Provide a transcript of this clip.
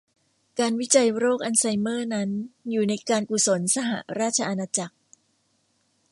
การวิจัยโรคอัลไซเมอร์นั้นอยู่ในการกุศลสหราชอาณาจักร